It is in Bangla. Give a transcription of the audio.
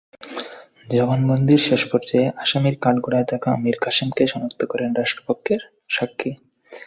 জবানবন্দির শেষ পর্যায়ে আসামির কাঠগড়ায় থাকা মীর কাসেমকে শনাক্ত করেন রাষ্ট্রপক্ষের সাক্ষী।